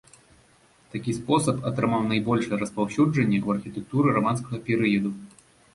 Такі спосаб атрымаў найбольшае распаўсюджанне ў архітэктуры раманскага перыяду.